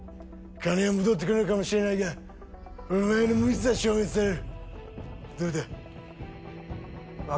金は戻ってこないかもしれないがお前の無実は証明される。